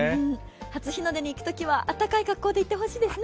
初日の出に行くときは暖かい格好で行ってほしいですね。